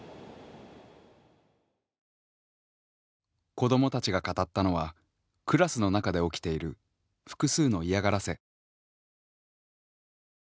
子どもたちが語ったのはクラスの中で起きている複数の嫌がらせ。